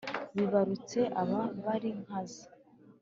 bibarutse aba bali nkaza